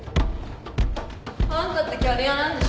あんたってキャリアなんでしょ？